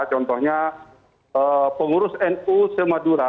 contohnya pengurus nu semadura